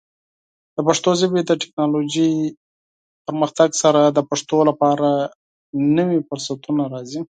د پښتو ژبې د ټیکنالوجیکي پرمختګ سره، د پښتنو لپاره نوې فرصتونه راځي.